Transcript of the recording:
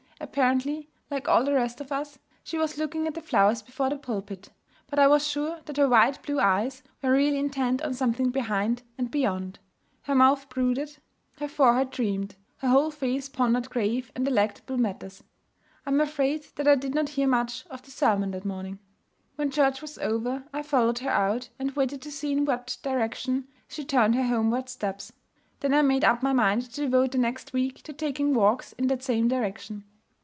Apparently, like all the rest of us, she was looking at the flowers before the pulpit; but I was sure that her wide blue eyes were really intent on something behind and beyond. Her mouth brooded, her forehead dreamed, her whole face pondered grave and delectable matters. I am afraid that I did not hear much of the sermon that morning. When church was over, I followed her out, and waited to see in what direction she turned her homeward steps. Then I made up my mind to devote the next week to taking walks in that same direction.